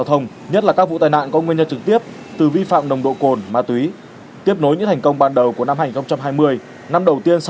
thông tin thời tiết tại các vùng trên cả nước